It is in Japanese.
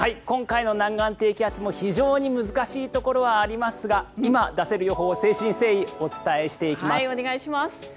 今回の南岸低気圧も非常に難しいところはありますが今、出せる予報を誠心誠意、お伝えしていきます。